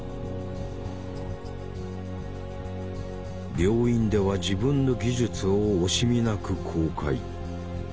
病院では自分の技術を惜しみなく公開。